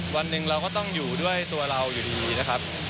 วันหนึ่งเราก็ต้องอยู่ด้วยตัวเราอยู่ดีนะครับ